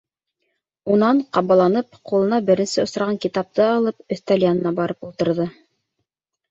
Унан, ҡабаланып, ҡулына беренсе осраған китапты алып, өҫтәл янына барып ултырҙы.